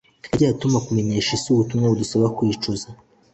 yagiye atuma kumenyesha isi ubutumwa budusaba kwicuza